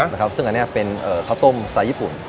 ซึ่งอันนี้เป็นข้าวต้มสไตล์ญี่ปุ่น